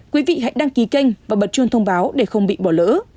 quý vị hãy đăng ký kênh và bật chuông thông báo để không bị bỏ lỡ